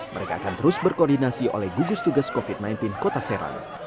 mereka akan terus berkoordinasi oleh gugus tugas covid sembilan belas kota serang